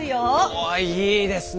おいいですねえ。